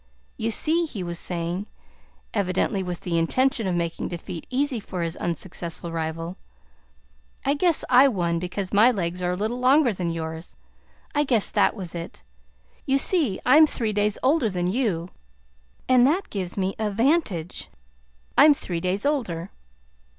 "You see," he was saying, evidently with the intention of making defeat easy for his unsuccessful rival, "I guess I won because my legs are a little longer than yours. I guess that was it. You see, I'm three days older than you, and that gives me a 'vantage. I'm three days older."